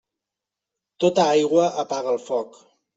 Tota aigua apaga el foc.